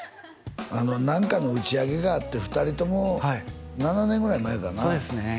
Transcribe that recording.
あの何かの打ち上げがあって２人とも７年ぐらい前かなそうですね